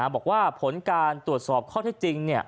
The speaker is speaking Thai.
บอกว่าผลการตรวจสอบข้อที่จริง